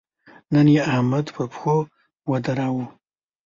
نن يې احمد پر پښو ودراوو.